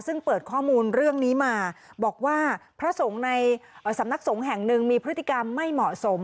ซึ่งเปิดข้อมูลเรื่องนี้มาบอกว่าพระสงฆ์ในสำนักสงฆ์แห่งหนึ่งมีพฤติกรรมไม่เหมาะสม